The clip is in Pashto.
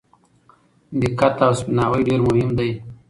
دقت او سپیناوی ډېر مهم دي.